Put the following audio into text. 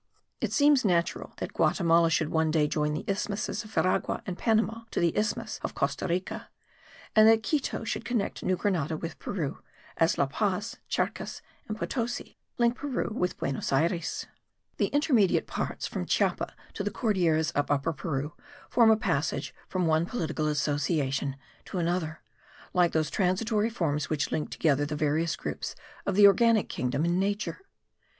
It seems natural that Guatimala should one day join the isthmuses of Veragua and Panama to the isthmus of Costa Rica; and that Quito should connect New Grenada with Peru, as La Paz, Charcas and Potosi link Peru with Buenos Ayres. The intermediate parts from Chiapa to the Cordilleras of Upper Peru form a passage from one political association to another, like those transitory forms which link together the various groups of the organic kingdom in nature.